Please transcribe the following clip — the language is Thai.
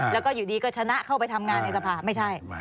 แล้วก็อยู่ดีก็ชนะเข้าไปทำงานในสภาไม่ใช่